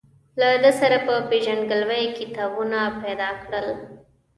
له ده سره په پېژندګلوۍ کتابونه پیدا کړل.